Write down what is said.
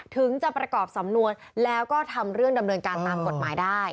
ถึงจะประกอบสำนวนแล้วก็ทำเรื่องดำเนินการตามกฎหมายได้